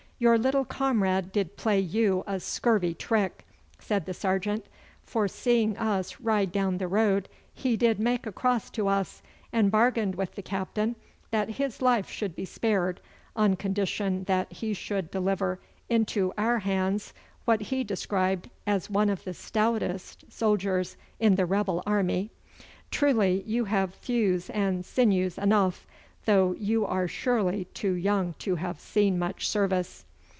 'Your little comrade did play you a scurvy trick,' said the sergeant, 'for seeing us ride down the road he did make across to us, and bargained with the Captain that his life should be spared, on condition that he should deliver into our hands what he described as one of the stoutest soldiers in the rebel army. Truly you have thews and sinews enough, though you are surely too young to have seen much service.